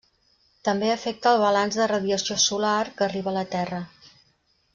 També afecta el balanç de radiació solar que arriba a la Terra.